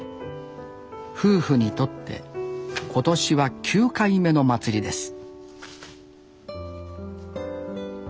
夫婦にとって今年は９回目の祭りです